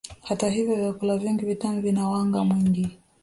Hata hivyo vyakula vingi vitamu vina wanga mwingi